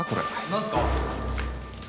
何すか？